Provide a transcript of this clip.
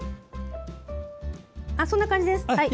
そんな感じです。